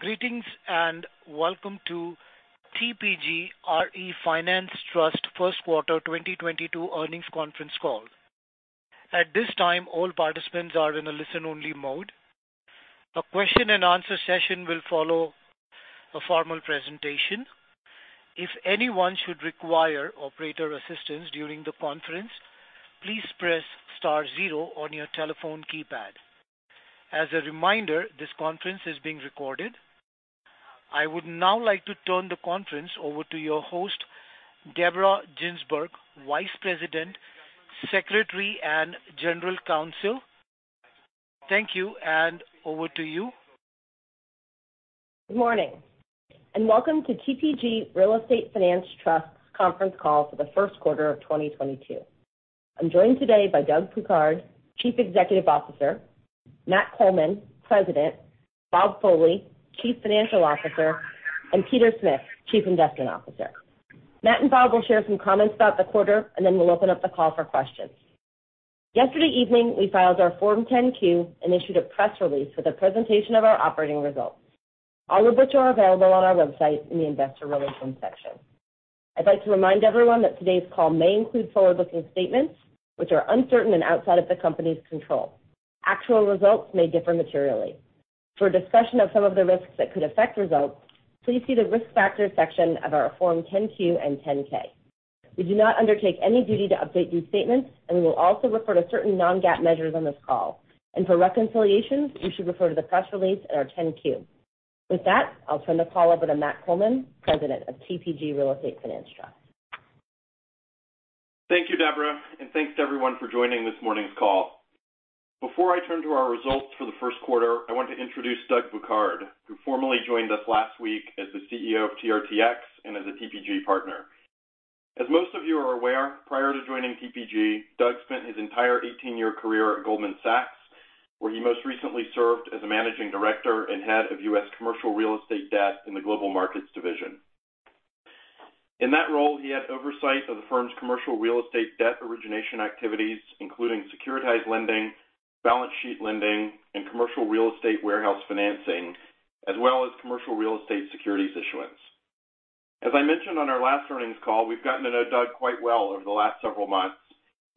Greetings and welcome to TPG RE Finance Trust first quarter 2022 earnings conference call. At this time, all participants are in a listen-only mode. A question and answer session will follow a formal presentation. If anyone should require operator assistance during the conference, please press star zero on your telephone keypad. As a reminder, this conference is being recorded. I would now like to turn the conference over to your host, Deborah Ginsberg, Vice President, Secretary, and General Counsel. Thank you, and over to you. Good morning, and welcome to TPG RE Finance Trust conference call for the first quarter of 2022. I'm joined today by Doug Bouquard, Chief Executive Officer, Matt Coleman, President, Robert Foley, Chief Financial Officer, and Peter Smith, Chief Investment Officer. Matt and Bob will share some comments about the quarter, and then we'll open up the call for questions. Yesterday evening, we filed our Form 10-Q and issued a press release with a presentation of our operating results. All of which are available on our website in the investor relations section. I'd like to remind everyone that today's call may include forward-looking statements which are uncertain and outside of the company's control. Actual results may differ materially. For a discussion of some of the risks that could affect results, please see the risk factors section of our Form 10-Q and 10-K. We do not undertake any duty to update these statements, and we will also refer to certain non-GAAP measures on this call. For reconciliations, you should refer to the press release and our 10-Q. With that, I'll turn the call over to Matt Coleman, President of TPG Real Estate Finance Trust. Thank you, Deborah, and thanks to everyone for joining this morning's call. Before I turn to our results for the first quarter, I want to introduce Doug Bouquard, who formally joined us last week as the CEO of TRTX and as a TPG partner. As most of you are aware, prior to joining TPG, Doug spent his entire 18 year career at Goldman Sachs, where he most recently served as a Managing Director and Head of U.S. Commercial Real Estate Debt in the Global Markets division. In that role, he had oversight of the firm's commercial real estate debt origination activities, including securitized lending, balance sheet lending, and commercial real estate warehouse financing, as well as commercial real estate securities issuance. As I mentioned on our last earnings call, we've gotten to know Doug quite well over the last several months,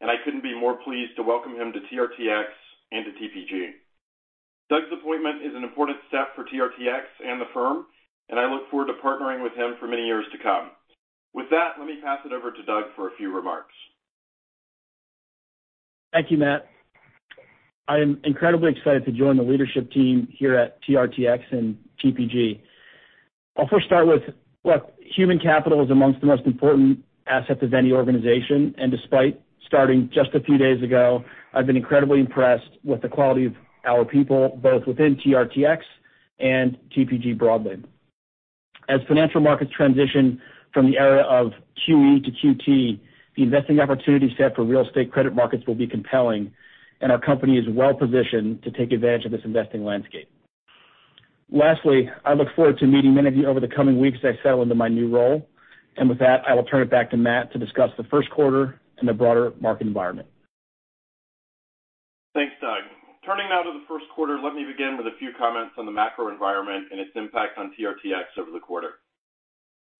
and I couldn't be more pleased to welcome him to TRTX and to TPG. Doug's appointment is an important step for TRTX and the firm, and I look forward to partnering with him for many years to come. With that, let me pass it over to Doug for a few remarks. Thank you, Matt. I am incredibly excited to join the leadership team here at TRTX and TPG. I'll first start with what human capital is among the most important assets of any organization, and despite starting just a few days ago, I've been incredibly impressed with the quality of our people, both within TRTX and TPG broadly. As financial markets transition from the era of QE to QT, the investing opportunity set for real estate credit markets will be compelling, and our company is well-positioned to take advantage of this investing landscape. Lastly, I look forward to meeting many of you over the coming weeks as I settle into my new role. With that, I will turn it back to Matt to discuss the first quarter and the broader market environment. Thanks, Doug. Turning now to the first quarter, let me begin with a few comments on the macro environment and its impact on TRTX over the quarter.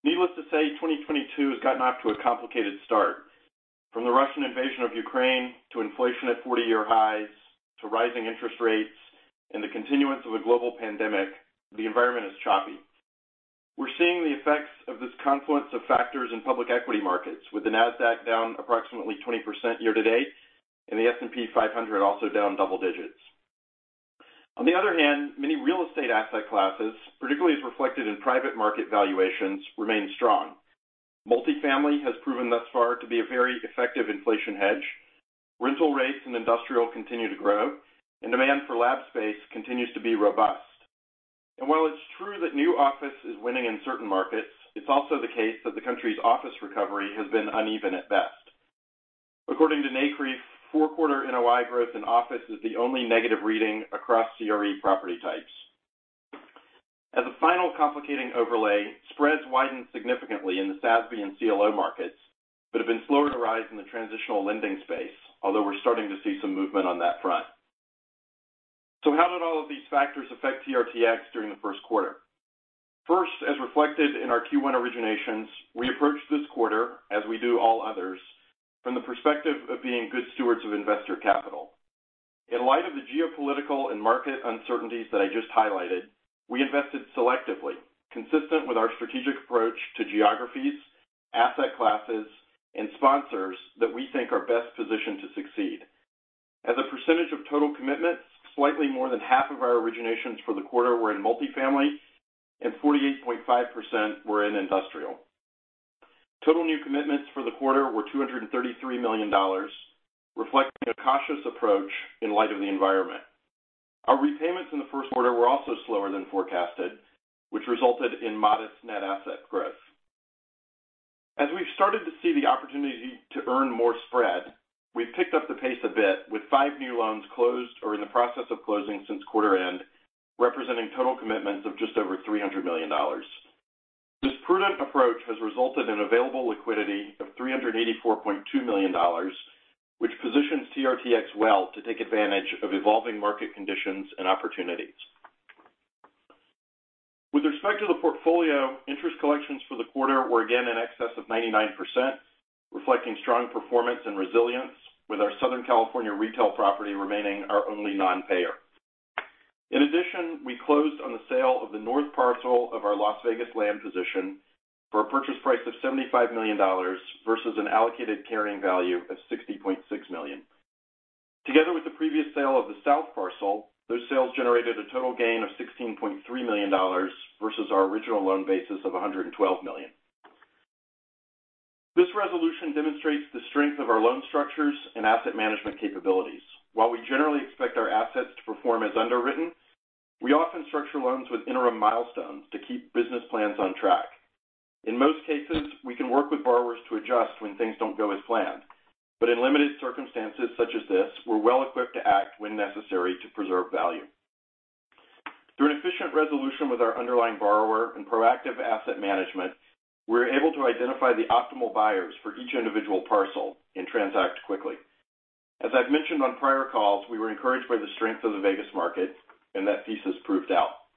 Needless to say, 2022 has gotten off to a complicated start. From the Russian invasion of Ukraine to inflation at 40-year highs to rising interest rates and the continuance of a global pandemic, the environment is choppy. We're seeing the effects of this confluence of factors in public equity markets, with the Nasdaq down approximately 20% year to date, and the S&P 500 also down double digits. On the other hand, many real estate asset classes, particularly as reflected in private market valuations, remain strong. Multifamily has proven thus far to be a very effective inflation hedge. Rental rates in industrial continue to grow, and demand for lab space continues to be robust. While it's true that new office is winning in certain markets, it's also the case that the country's office recovery has been uneven at best. According to NCREIF, four-quarter NOI growth in office is the only negative reading across CRE property types. As a final complicating overlay, spreads widened significantly in the SASB and CLO markets but have been slower to rise in the transitional lending space, although we're starting to see some movement on that front. How did all of these factors affect TRTX during the first quarter? First, as reflected in our Q1 originations, we approached this quarter, as we do all others, from the perspective of being good stewards of investor capital. In light of the geopolitical and market uncertainties that I just highlighted, we invested selectively, consistent with our strategic approach to geographies, asset classes, and sponsors that we think are best positioned to succeed. As a percentage of total commitments, slightly more than half of our originations for the quarter were in multifamily, and 48.5% were in industrial. Total new commitments for the quarter were $233 million, reflecting a cautious approach in light of the environment. Our repayments in the first quarter were also slower than forecasted, which resulted in modest net asset growth. As we've started to see the opportunity to earn more spread, we've picked up the pace a bit with five new loans closed or in the process of closing since quarter end, representing total commitments of just over $300 million. This prudent approach has resulted in available liquidity of $384.2 million, which positions TRTX well to take advantage of evolving market conditions and opportunities. With respect to the portfolio, interest collections for the quarter were again in excess of 99%, reflecting strong performance and resilience with our Southern California retail property remaining our only non-payer. In addition, we closed on the sale of the north parcel of our Las Vegas land position for a purchase price of $75 million versus an allocated carrying value of $60.6 million. Together with the previous sale of the south parcel, those sales generated a total gain of $16.3 million versus our original loan basis of $112 million. This resolution demonstrates the strength of our loan structures and asset management capabilities. While we generally expect our assets to perform as underwritten, we often structure loans with interim milestones to keep business plans on track. In most cases, we can work with borrowers to adjust when things don't go as planned. In limited circumstances such as this, we're well equipped to act when necessary to preserve value. Through an efficient resolution with our underlying borrower and proactive asset management, we're able to identify the optimal buyers for each individual parcel and transact quickly. As I've mentioned on prior calls, we were encouraged by the strength of the Vegas market, and that thesis proved out.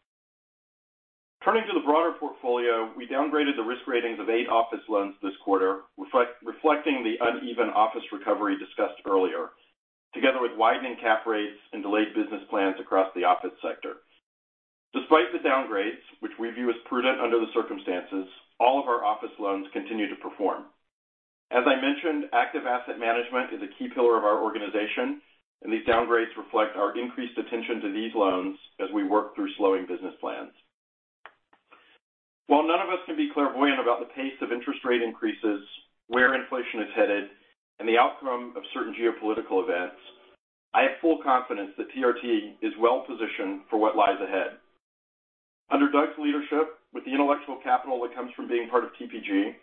Turning to the broader portfolio, we downgraded the risk ratings of eight office loans this quarter, reflecting the uneven office recovery discussed earlier, together with widening cap rates and delayed business plans across the office sector. Despite the downgrades, which we view as prudent under the circumstances, all of our office loans continue to perform. As I mentioned, active asset management is a key pillar of our organization, and these downgrades reflect our increased attention to these loans as we work through slowing business plans. While none of us can be clairvoyant about the pace of interest rate increases, where inflation is headed, and the outcome of certain geopolitical events, I have full confidence that TRTX is well positioned for what lies ahead. Under Doug's leadership, with the intellectual capital that comes from being part of TPG,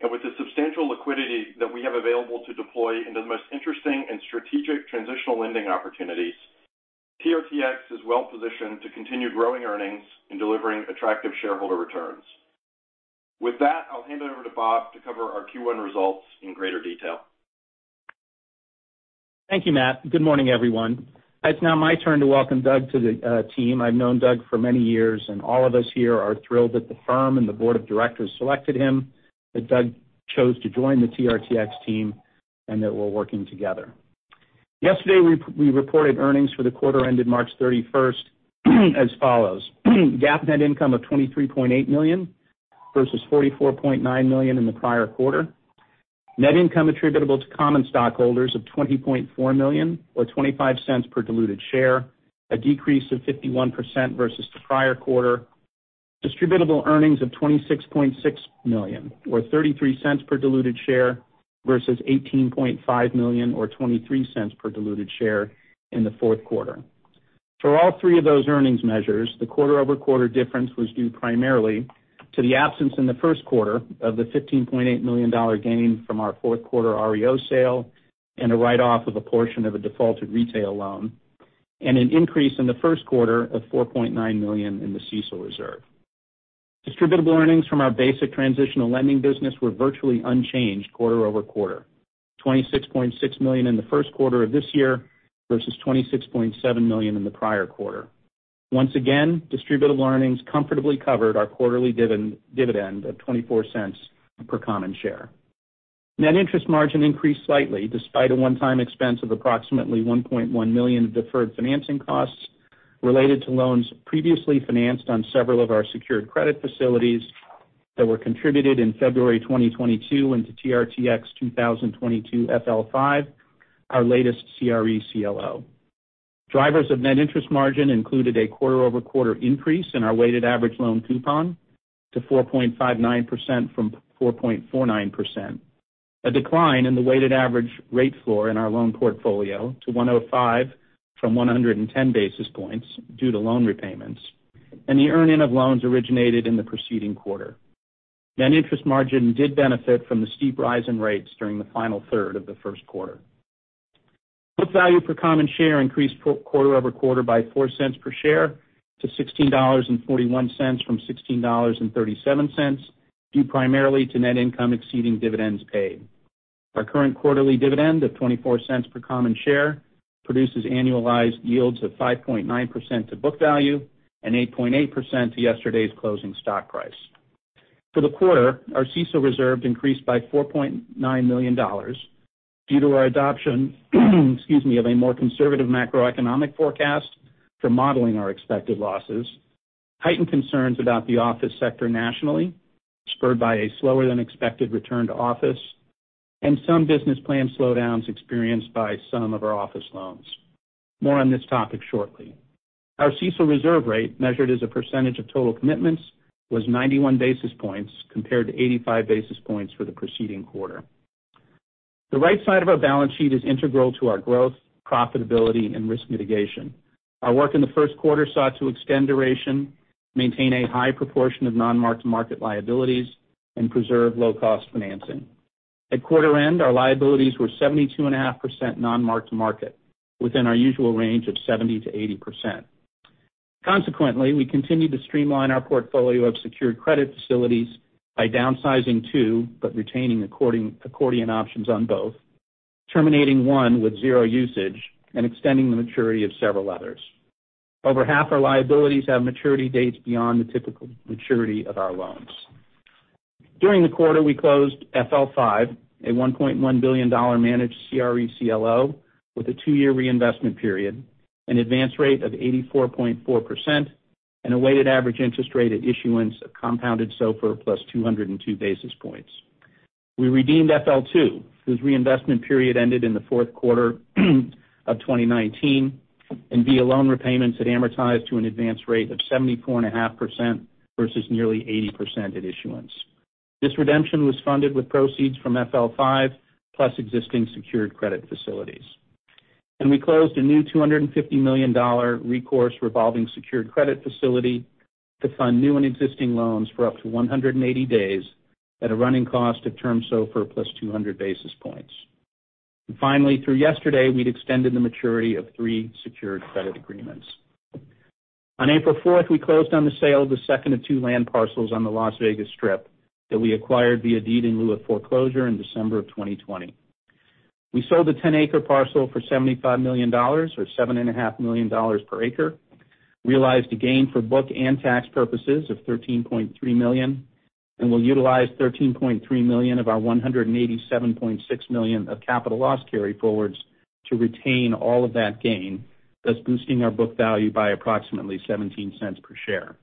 and with the substantial liquidity that we have available to deploy into the most interesting and strategic transitional lending opportunities, TRTX is well positioned to continue growing earnings and delivering attractive shareholder returns. With that, I'll hand it over to Bob to cover our Q1 results in greater detail. Thank you, Matt. Good morning, everyone. It's now my turn to welcome Doug to the team. I've known Doug for many years, and all of us here are thrilled that the firm and the board of directors selected him, that Doug chose to join the TRTX team, and that we're working together. Yesterday, we reported earnings for the quarter ended March 31st as follows. GAAP net income of $23.8 million versus $44.9 million in the prior quarter. Net income attributable to common stockholders of $20.4 million or $0.25 per diluted share, a decrease of 51% versus the prior quarter. Distributable earnings of $26.6 million or $0.33 per diluted share versus $18.5 million or $0.23 per diluted share in the fourth quarter. For all three of those earnings measures, the quarter-over-quarter difference was due primarily to the absence in the first quarter of the $15.8 million gain from our fourth quarter REO sale and a write-off of a portion of a defaulted retail loan, and an increase in the first quarter of $4.9 million in the CECL reserve. Distributable earnings from our basic transitional lending business were virtually unchanged quarter-over-quarter, $26.6 million in the first quarter of this year versus $26.7 million in the prior quarter. Once again, distributable earnings comfortably covered our quarterly dividend of $0.24 per common share. Net interest margin increased slightly despite a one-time expense of approximately $1.1 million of deferred financing costs related to loans previously financed on several of our secured credit facilities that were contributed in February 2022 into TRTX 2022-FL5, our latest CRE CLO. Drivers of net interest margin included a quarter-over-quarter increase in our weighted average loan coupon to 4.59% from 4.49%. A decline in the weighted average rate floor in our loan portfolio to 105 from 110 basis points due to loan repayments and the earning of loans originated in the preceding quarter. Net interest margin did benefit from the steep rise in rates during the final third of the first quarter. Book value per common share increased quarter-over-quarter by $0.04 per share to $16.41 from $16.37, due primarily to net income exceeding dividends paid. Our current quarterly dividend of $0.24 per common share produces annualized yields of 5.9% to book value and 8.8% to yesterday's closing stock price. For the quarter, our CECL reserve increased by $4.9 million due to our adoption excuse me, of a more conservative macroeconomic forecast for modeling our expected losses, heightened concerns about the office sector nationally, spurred by a slower than expected return to office, and some business plan slowdowns experienced by some of our office loans. More on this topic shortly. Our CECL reserve rate, measured as a percentage of total commitments, was 91 basis points, compared to 85 basis points for the preceding quarter. The right side of our balance sheet is integral to our growth, profitability and risk mitigation. Our work in the first quarter sought to extend duration, maintain a high proportion of non-marked-to-market liabilities, and preserve low cost financing. At quarter end, our liabilities were 72.5% non-marked market, within our usual range of 70%-80%. Consequently, we continued to streamline our portfolio of secured credit facilities by downsizing two, but retaining accordion options on both, terminating one with zero usage and extending the maturity of several others. Over half our liabilities have maturity dates beyond the typical maturity of our loans. During the quarter, we closed FL5, a $1.1 billion managed CRE CLO with a two-year reinvestment period, an advance rate of 84.4%, and a weighted average interest rate at issuance of compounded SOFR plus 202 basis points. We redeemed FL2, whose reinvestment period ended in the fourth quarter of 2019, and via loan repayments, it amortized to an advance rate of 74.5% versus nearly 80% at issuance. This redemption was funded with proceeds from FL5 plus existing secured credit facilities. We closed a new $250 million recourse revolving secured credit facility to fund new and existing loans for up to 180 days at a running cost of term SOFR plus 200 basis points. Finally, through yesterday, we'd extended the maturity of three secured credit agreements. On April 4, we closed on the sale of the second of two land parcels on the Las Vegas Strip that we acquired via deed in lieu of foreclosure in December 2020. We sold the 10-acre parcel for $75 million, or $7.5 million per acre, realized a gain for book and tax purposes of $13.3 million, and will utilize $13.3 million of our $187.6 million of capital loss carryforwards to retain all of that gain, thus boosting our book value by approximately $0.17 per share.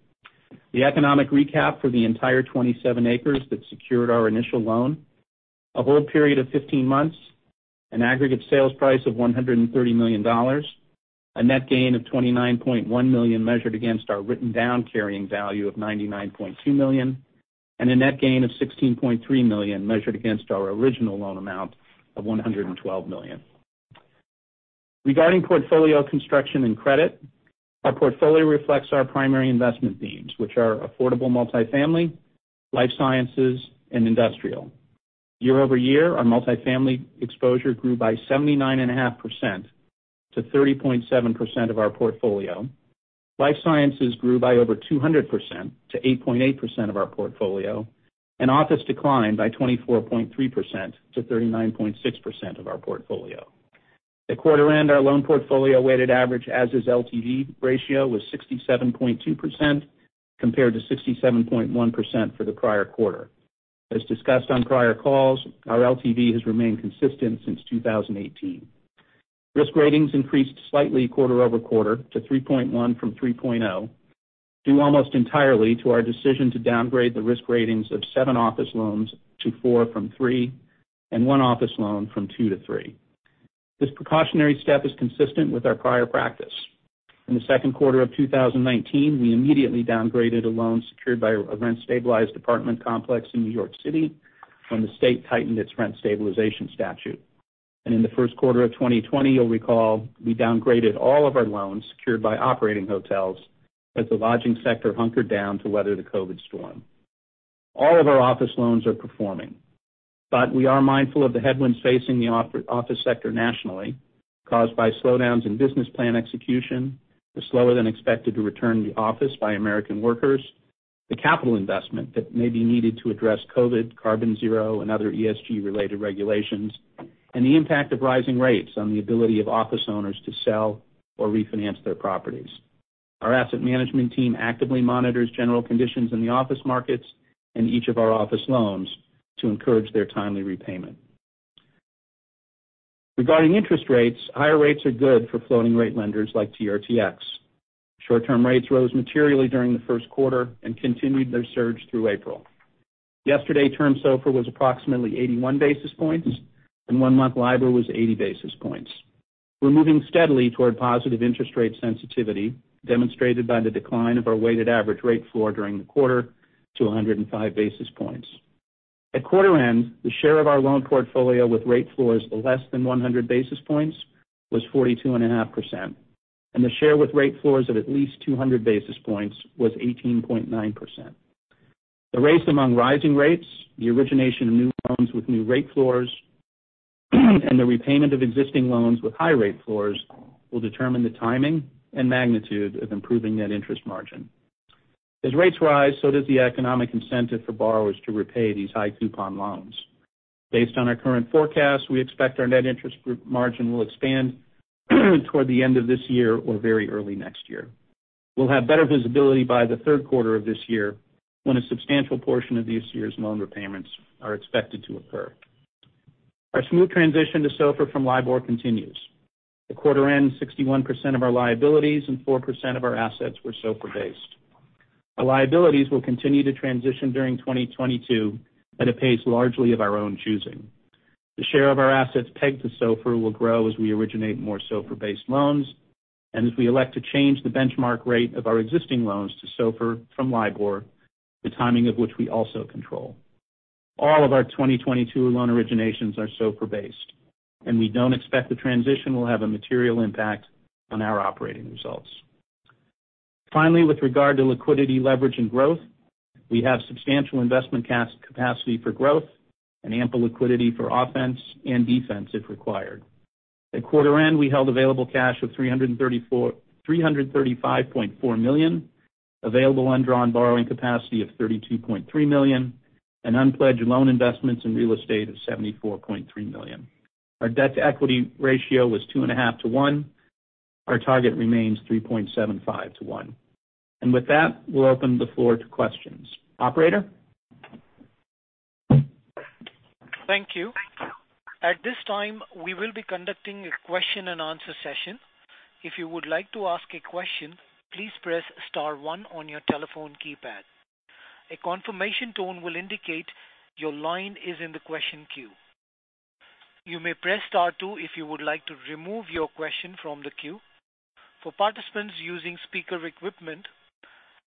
The economic recap for the entire 27 acres that secured our initial loan, a hold period of 15 months, an aggregate sales price of $130 million, a net gain of $29.1 million measured against our written down carrying value of $99.2 million, and a net gain of $16.3 million measured against our original loan amount of $112 million. Regarding portfolio construction and credit, our portfolio reflects our primary investment themes, which are affordable multifamily, life sciences, and industrial. Year-over-year, our multifamily exposure grew by 79.5% to 30.7% of our portfolio. Life sciences grew by over 200% to 8.8% of our portfolio, and office declined by 24.3% to 39.6% of our portfolio. At quarter end, our loan portfolio weighted average as is LTV ratio was 67.2% compared to 67.1% for the prior quarter. As discussed on prior calls, our LTV has remained consistent since 2018. Risk ratings increased slightly quarter-over-quarter to 3.1 from 3.0, due almost entirely to our decision to downgrade the risk ratings of seven office loans to four from three, and one office loan from two to three. This precautionary step is consistent with our prior practice. In the second quarter of 2019, we immediately downgraded a loan secured by a rent-stabilized apartment complex in New York City when the state tightened its rent stabilization statute. In the first quarter of 2020, you'll recall we downgraded all of our loans secured by operating hotels as the lodging sector hunkered down to weather the COVID storm. All of our office loans are performing. We are mindful of the headwinds facing the office sector nationally, caused by slowdowns in business plan execution, the slower-than-expected return to office by American workers, the capital investment that may be needed to address COVID, carbon zero, and other ESG-related regulations, and the impact of rising rates on the ability of office owners to sell or refinance their properties. Our asset management team actively monitors general conditions in the office markets and each of our office loans to encourage their timely repayment. Regarding interest rates, higher rates are good for floating rate lenders like TRTX. Short-term rates rose materially during the first quarter and continued their surge through April. Yesterday, term SOFR was approximately 81 basis points and one month LIBOR was 80 basis points. We're moving steadily toward positive interest rate sensitivity, demonstrated by the decline of our weighted average rate floor during the quarter to 105 basis points. At quarter end, the share of our loan portfolio with rate floors less than 100 basis points was 42.5%, and the share with rate floors of at least 200 basis points was 18.9%. The race among rising rates, the origination of new loans with new rate floors, and the repayment of existing loans with high rate floors will determine the timing and magnitude of improving net interest margin. As rates rise, so does the economic incentive for borrowers to repay these high-coupon loans. Based on our current forecast, we expect our net interest margin will expand toward the end of this year or very early next year. We'll have better visibility by the third quarter of this year when a substantial portion of this year's loan repayments are expected to occur. Our smooth transition to SOFR from LIBOR continues. At quarter end, 61% of our liabilities and 4% of our assets were SOFR-based. Our liabilities will continue to transition during 2022 at a pace largely of our own choosing. The share of our assets pegged to SOFR will grow as we originate more SOFR-based loans and as we elect to change the benchmark rate of our existing loans to SOFR from LIBOR, the timing of which we also control. All of our 2022 loan originations are SOFR-based, and we don't expect the transition will have a material impact on our operating results. Finally, with regard to liquidity leverage and growth, we have substantial investment vast capacity for growth and ample liquidity for offense and defense if required. At quarter end, we held available cash of $335.4 million, available undrawn borrowing capacity of $32.3 million, and unpledged loan investments in real estate of $74.3 million. Our debt-to-equity ratio was 2.5 to 1. Our target remains 3.75 to 1. With that, we'll open the floor to questions. Operator? Thank you. At this time, we will be conducting a question and answer session. If you would like to ask a question, please press star one on your telephone keypad. A confirmation tone will indicate your line is in the question queue. You may press star two if you would like to remove your question from the queue. For participants using speaker equipment,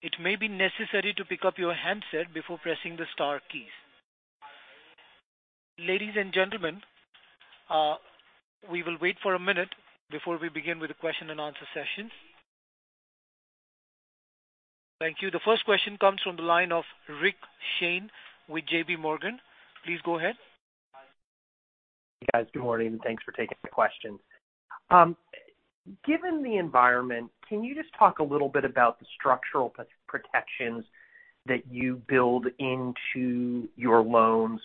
it may be necessary to pick up your handset before pressing the star keys. Ladies and gentlemen, we will wait for a minute before we begin with the question and answer session. Thank you. The first question comes from the line of Rick Shane with JPMorgan. Please go ahead. Hey, guys. Good morning. Thanks for taking the question. Given the environment, can you just talk a little bit about the structural protections that you build into your loans,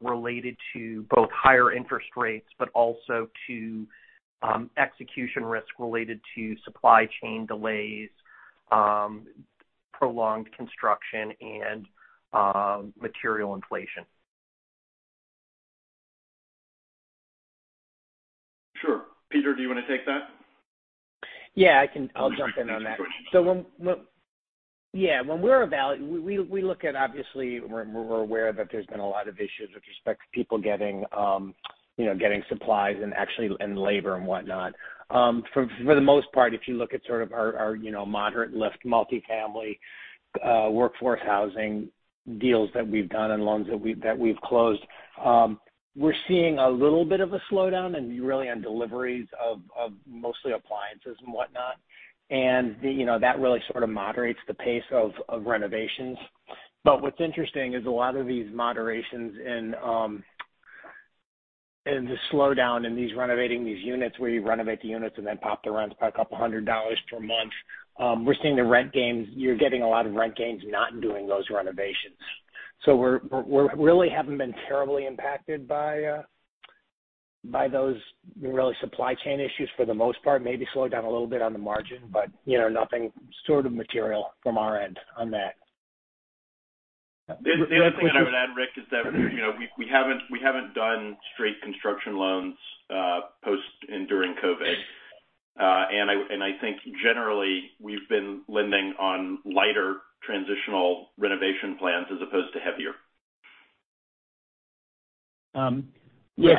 related to both higher interest rates, but also to execution risk related to supply chain delays, prolonged construction and material inflation? Sure. Peter, do you wanna take that? Yeah, I can. I'll jump in on that. We look at obviously we're aware that there's been a lot of issues with respect to people getting, you know, getting supplies and actually and labor and whatnot. For the most part, if you look at sort of our, you know, moderate lift multifamily workforce housing deals that we've done and loans that we've closed, we're seeing a little bit of a slowdown and really on deliveries of mostly appliances and whatnot. You know, that really sort of moderates the pace of renovations. What's interesting is a lot of these modernizations and the slowdown in renovating these units where you renovate the units and then pop the rents by $200 per month. We're seeing the rent gains. You're getting a lot of rent gains not doing those renovations. We really haven't been terribly impacted by those real supply chain issues for the most part. Maybe slowed down a little bit on the margin, but you know, nothing sort of material from our end on that. The other thing that I would add, Rick, is that, you know, we haven't done straight construction loans post and during COVID. I think generally we've been lending on lighter transitional renovation plans as opposed to heavier. Yeah.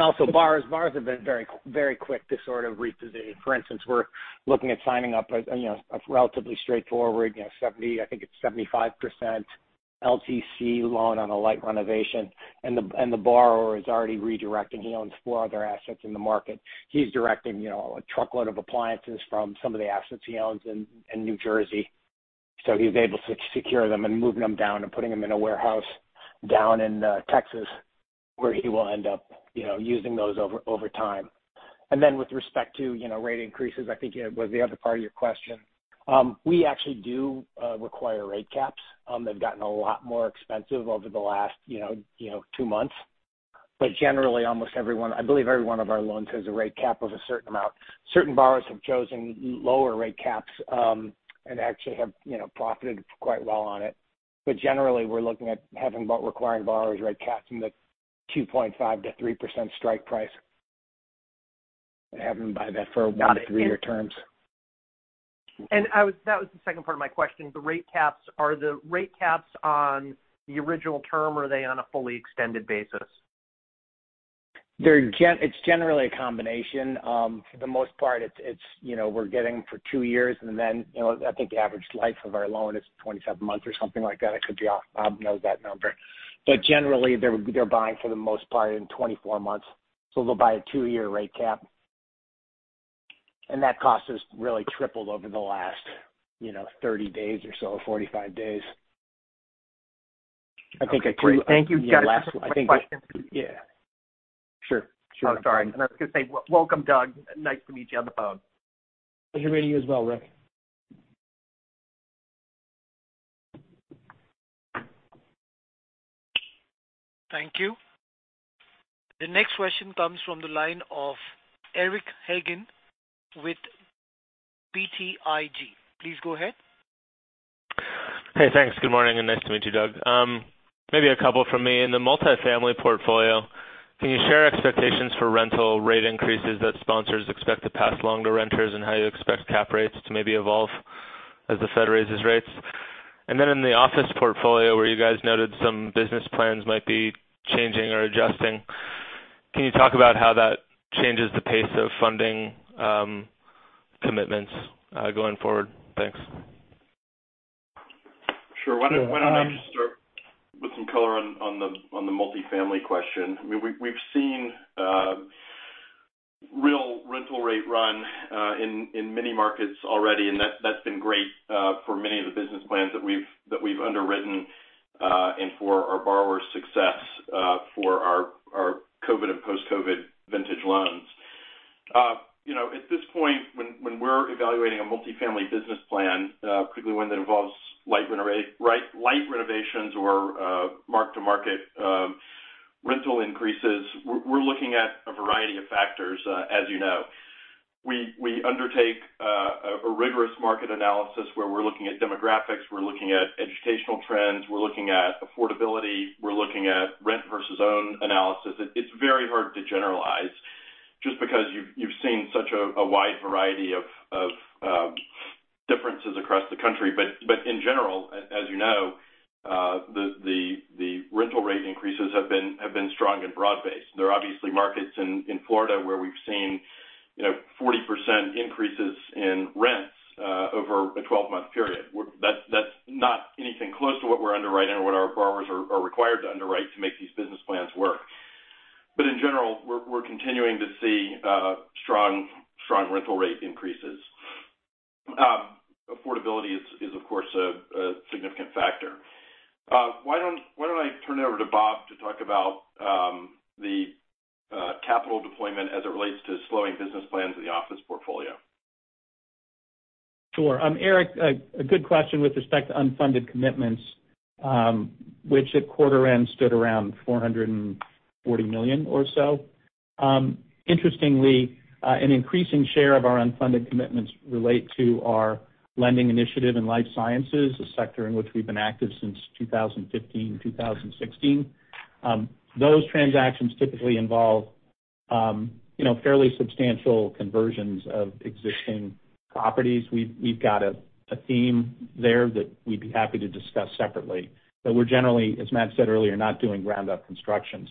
Also, bars have been very quick to sort of reposition. For instance, we're looking at signing up, you know, a relatively straightforward, you know, 70%, I think it's 75% LTC loan on a light renovation. The borrower is already redirecting. He owns four other assets in the market. He's directing, you know, a truckload of appliances from some of the assets he owns in New Jersey. He's able to secure them and moving them down and putting them in a warehouse down in Texas where he will end up, you know, using those over time. Then with respect to, you know, rate increases, I think it was the other part of your question. We actually do require rate caps. They've gotten a lot more expensive over the last, you know, two months. Generally almost everyone I believe every one of our loans has a rate cap of a certain amount. Certain borrowers have chosen lower rate caps, and actually have, you know, profited quite well on it. Generally we're looking at requiring borrowers rate caps in the 2.5%-3% strike price and have them buy that for one to three year terms. That was the second part of my question. The rate caps. Are the rate caps on the original term, or are they on a fully extended basis? It's generally a combination. For the most part, it's you know, we're getting for two years. Then I think the average life of our loan is 27 months or something like that. I could be off. Bob knows that number. Generally they're buying for the most part in 24 months. They'll buy a two-year rate cap. That cost has really tripled over the last, you know, 30 days or so, 45 days. I think I. Great. Thank you. Yeah. Sure. Sure. I'm sorry. I was gonna say welcome, Doug. Nice to meet you on the phone. Pleasure meeting you as well, Rick. Thank you. The next question comes from the line of Eric Hagen with BTIG. Please go ahead. Hey, thanks. Good morning, and nice to meet you, Doug. Maybe a couple from me. In the multifamily portfolio, can you share expectations for rental rate increases that sponsors expect to pass along to renters and how you expect cap rates to maybe evolve as the Fed raises rates? Then in the office portfolio where you guys noted some business plans might be changing or adjusting, can you talk about how that changes the pace of funding, commitments going forward? Thanks. Sure. Why don't I just start with some color on the multifamily question? I mean, we've seen real rental rate run in many markets already, and that's been great for many of the business plans that we've underwritten, and for our borrowers' success, for our COVID and post-COVID vintage loans. You know, at this point, when we're evaluating a multifamily business plan, particularly one that involves light renovations or mark-to-market rental increases, we're looking at a variety of factors, as you know. We undertake a rigorous market analysis where we're looking at demographics, we're looking at educational trends, we're looking at affordability, we're looking at rent versus own analysis. It's very hard to generalize just because you've seen such a wide variety of differences across the country. In general, as you know, the rental rate increases have been strong and broad-based. There are obviously markets in Florida where we've seen, you know, 40% increases in rents over a 12-month period. That's not anything close to what we're underwriting or what our borrowers are required to underwrite to make these business plans work. In general, we're continuing to see strong rental rate increases. Affordability is of course a significant factor. Why don't I turn it over to Bob to talk about the capital deployment as it relates to slowing business plans in the office portfolio. Sure. Eric, a good question with respect to unfunded commitments, which at quarter end stood around $440 million or so. Interestingly, an increasing share of our unfunded commitments relate to our lending initiative in life sciences, a sector in which we've been active since 2015-2016. Those transactions typically involve, you know, fairly substantial conversions of existing properties. We've got a team there that we'd be happy to discuss separately. We're generally, as Matt said earlier, not doing ground up construction.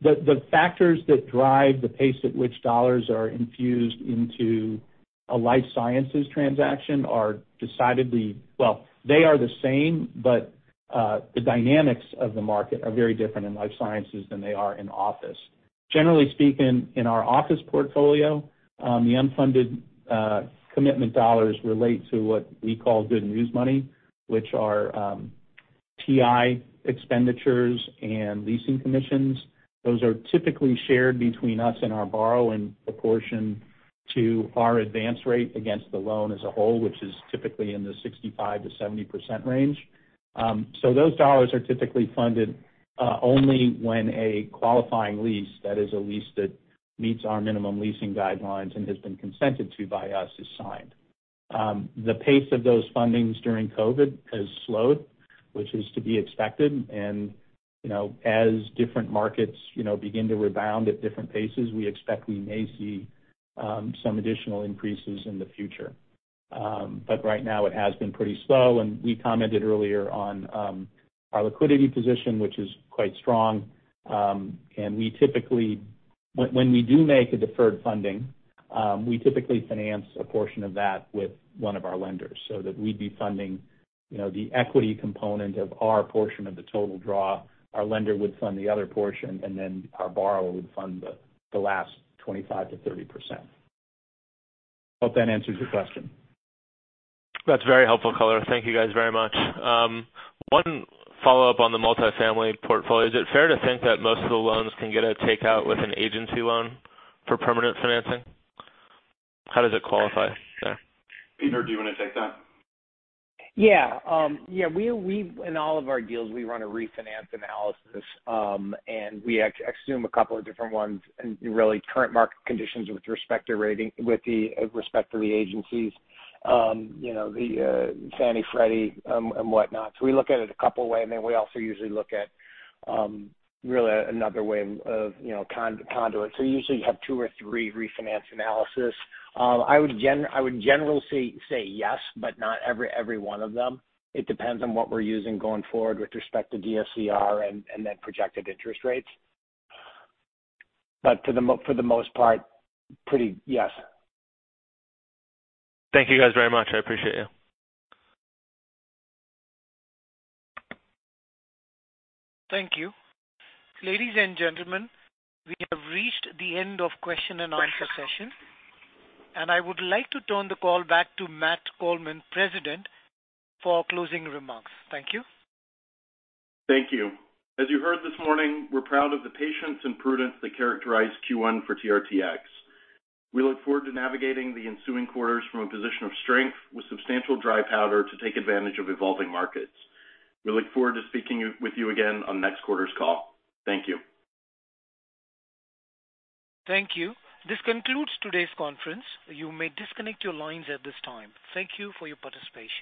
The factors that drive the pace at which dollars are infused into a life sciences transaction are decidedly. Well, they are the same, but the dynamics of the market are very different in life sciences than they are in office. Generally speaking, in our office portfolio, the unfunded commitment dollars relate to what we call good news money, which are TI expenditures and leasing commissions. Those are typically shared between us and our borrower in proportion to our advance rate against the loan as a whole, which is typically in the 65%-70% range. Those dollars are typically funded only when a qualifying lease, that is a lease that meets our minimum leasing guidelines and has been consented to by us, is signed. The pace of those fundings during COVID has slowed, which is to be expected. You know, as different markets, you know, begin to rebound at different paces, we expect we may see some additional increases in the future. Right now it has been pretty slow. We commented earlier on our liquidity position, which is quite strong. We typically, when we do make a deferred funding, finance a portion of that with one of our lenders so that we'd be funding, you know, the equity component of our portion of the total draw. Our lender would fund the other portion, and then our borrower would fund the last 25%-30%. Hope that answers your question. That's very helpful color. Thank you guys very much. One follow-up on the multifamily portfolio. Is it fair to think that most of the loans can get a takeout with an agency loan for permanent financing? How does it qualify there? Peter, do you wanna take that? Yeah. Yeah, we in all of our deals, we run a refinance analysis. We assume a couple of different ones and really current market conditions with respect to rating, with respect to the agencies, you know, the Fannie, Freddie, and whatnot. We look at it a couple way, and then we also usually look at really another way of, you know, conduit. Usually you have two or three refinance analysis. I would generally say yes, but not every one of them. It depends on what we're using going forward with respect to DSCR and then projected interest rates. For the most part, pretty yes. Thank you guys very much. I appreciate it. Thank you. Ladies and gentlemen, we have reached the end of question and answer session, and I would like to turn the call back to Matt Coleman, President, for closing remarks. Thank you. Thank you. As you heard this morning, we're proud of the patience and prudence that characterized Q1 for TRTX. We look forward to navigating the ensuing quarters from a position of strength with substantial dry powder to take advantage of evolving markets. We look forward to speaking with you again on next quarter's call. Thank you. Thank you. This concludes today's conference. You may disconnect your lines at this time. Thank you for your participation.